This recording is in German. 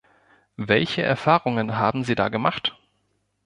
Welche Erfahrungen haben Sie da gemacht?